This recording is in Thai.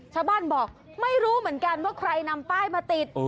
ชาวบ้านบอกไม่รู้เหมือนกันว่าใครนำป้ายมาติด